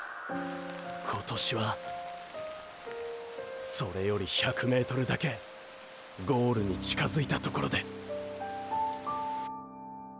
今年はそれより１００ｍだけゴールに近づいたところで！！